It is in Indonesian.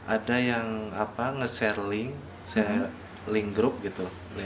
ada yang nge share link grup gitu